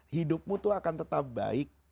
hidupmu tuh akan tetap baik